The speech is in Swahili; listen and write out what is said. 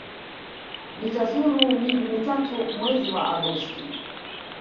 Nitazuru miji mitatu mwezi wa Agosti.